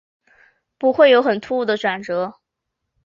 不会有很突兀的转折